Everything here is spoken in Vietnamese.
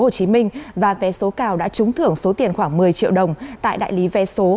hồ chí minh và vé số cao đã trúng thưởng số tiền khoảng một mươi triệu đồng tại đại lý vé số